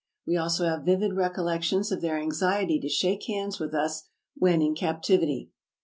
We also have vivid recollections of their anxiety to shake hands with us when in captivity.